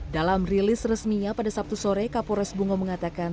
dalam rilis resminya pada sabtu sore kapolres bunga mengatakan